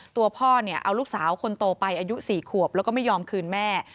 ตัวพ่อเนี่ยเอาลูกสาวคนโตไปอายุ๔ขวบแล้วก็ไม่ยอมคืนแม่